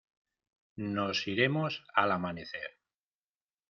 nos iremos al amanecer.